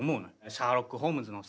シャーロック・ホームズのさ